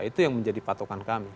itu yang menjadi patokan kami